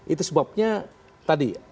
itu sebabnya tadi